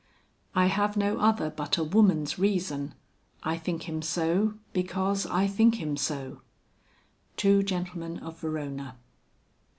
"I have no other but a woman's reason, I think him so, because I think him so." TWO GENTLEMEN OF VERONA.